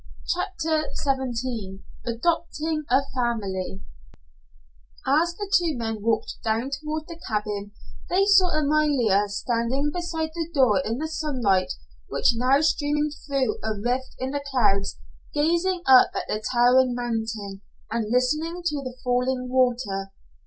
CHAPTER XVII ADOPTING A FAMILY As the two men walked down toward the cabin they saw Amalia standing beside the door in the sunlight which now streamed through a rift in the clouds, gazing up at the towering mountain and listening to the falling water.